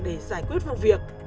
để giải quyết vấn đề